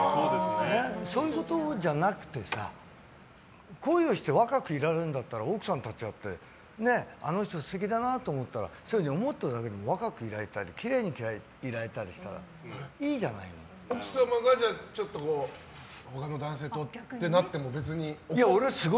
そういうことじゃなくてさ恋をして若くいられるんだったら奥さんたちだってあの人、素敵だなと思ったらそういうふうに思っただけで若くいられたりきれいにいられたりしたら奥様が他の男性とってなっても別にいいんですか？